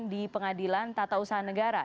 di pengadilan tata usaha negara